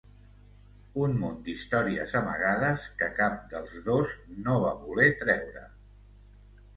Un munt d'històries amagades que cap dels dos no va voler traure.